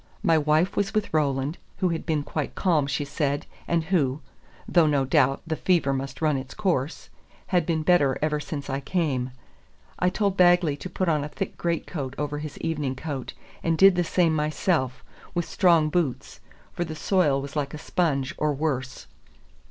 My wife was with Roland, who had been quite calm, she said, and who (though, no doubt, the fever must run its course) had been better ever since I came. I told Bagley to put on a thick greatcoat over his evening coat, and did the same myself, with strong boots; for the soil was like a sponge, or worse.